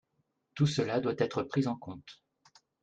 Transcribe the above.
Tout cela doit être pris en compte.